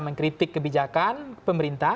mengkritik kebijakan pemerintah